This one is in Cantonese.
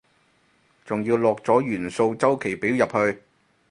仲要落咗元素週期表入去